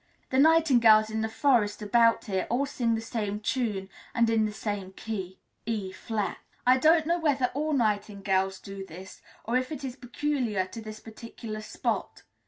The nightingales in the forests about here all sing the same tune, and in the same key of (E flat). I don't know whether all nightingales do this, or if it is peculiar to this particular spot.